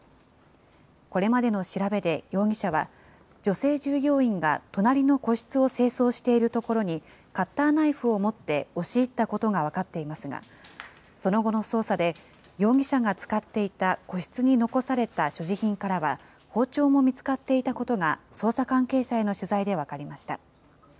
これまでの調べで容疑者は、女性従業員が隣の個室を清掃しているところに、カッターナイフを持って押し入ったことが分かっていますが、その後の捜査で、容疑者が使っていた個室に残された所持品からは、包丁も見つかっていたことが、捜査関係者への取材で分かりました。